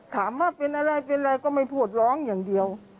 ถามว่าเป็นอะไรเป็นอะไรก็ไม่พูดร้องอย่างเดียว